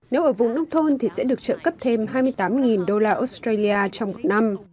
nếu ở vùng nông thôn thì sẽ được trợ cấp thêm hai mươi tám đô la australia trong một năm